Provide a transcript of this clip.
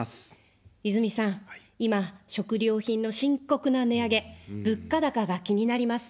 泉さん、今、食料品の深刻な値上げ、物価高が気になります。